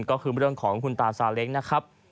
ก็คือเรื่องของคุณตาซาเล้งนะครับ